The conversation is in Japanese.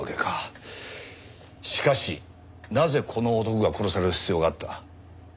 しかしなぜこの男が殺される必要があった？